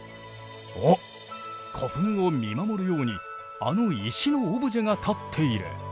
おっ古墳を見守るようにあの石のオブジェが立っている。